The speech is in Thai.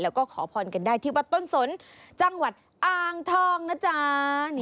แล้วก็ขอพรกันได้ที่วัดต้นสนจังหวัดอ่างทองนะจ๊ะ